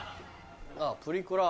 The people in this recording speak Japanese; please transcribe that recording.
あプリクラ。